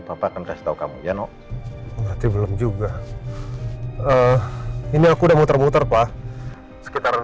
bapak akan kasih tahu kamu ya nok berarti belum juga ini aku udah muter muter pak sekitar